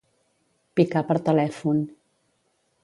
Picar per telèfon.